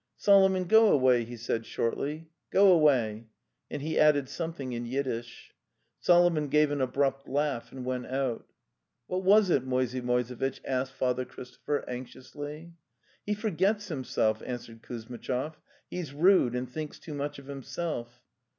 "Solomon, go away!" he said shortly. "Go away!' and he added something in Yiddish. Solo mon gave an abrupt laugh and went out. "What was it?'' Moisey Moisevitch asked Father Christopher anxiously. '""He forgets himself,' answered Kuzmitchov. "' He's rude and thinks too much of himself."